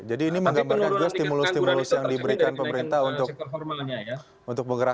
jadi ini menggambarkan juga stimulus stimulus yang diberikan pemerintah untuk menggerakkan sektor formal itu sudah